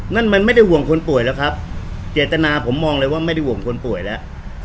นั่นมันไม่ได้ห่วงคนป่วยแล้วครับเจตนาผมมองเลยว่าไม่ได้ห่วงคนป่วยแล้ว